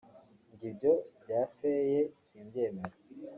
“Jye ibyo bya feye simbyemera